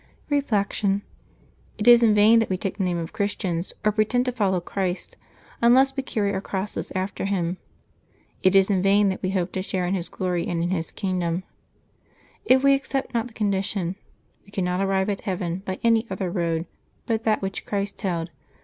Reflection. — It is in vain that we take the name of Christians, or pretend to follow Christ, unless we carry our crosses after Him. It is in vain that we hope to share in His glory, and in His kingdom, if we accept not the con dition. We cannot arrive at heaven by any other road but that which Christ held.